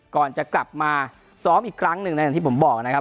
ก่อนจะกลับมาซ้อมอีกครั้งหนึ่งนะอย่างที่ผมบอกนะครับ